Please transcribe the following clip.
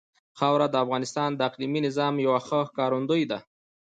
خاوره د افغانستان د اقلیمي نظام یوه ښه ښکارندوی ده.